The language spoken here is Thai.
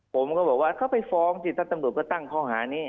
ผมก็บอกว่าเข้าไปฟ้องที่ท่านตำรุกก็ตั้งค้าหานี้